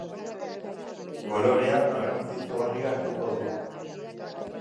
Koloreak garrantzi izugarria hartuko du.